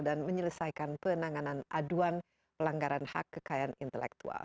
dan menyelesaikan penanganan aduan pelanggaran hak kekayaan intelektual